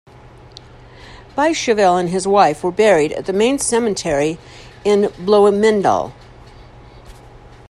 Biesheuvel and his wife were buried at the main cemetery in Bloemendaal.